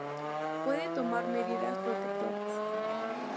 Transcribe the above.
Puede tomar medidas protectoras.